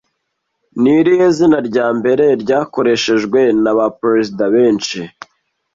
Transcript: Ni irihe zina rya mbere ryakoreshejwe na ba perezida benshi